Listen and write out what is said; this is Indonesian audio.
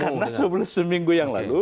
karena seminggu yang lalu